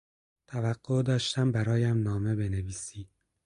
توقع داشتم برایم نامه بنویسی.